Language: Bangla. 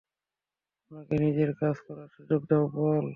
ওনাকে নিজের কাজ করার সুযোগ দাও পল।